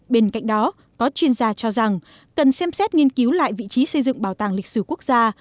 bên cạnh đó có chuyên gia cho rằng cần xem xét nghiên cứu lại vị trí xây dựng bảo tàng lịch sử quốc gia